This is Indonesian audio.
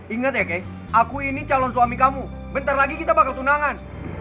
ingat ya kayak aku ini calon suami kamu bentar lagi kita bakal tunangan